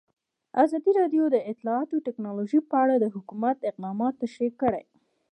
ازادي راډیو د اطلاعاتی تکنالوژي په اړه د حکومت اقدامات تشریح کړي.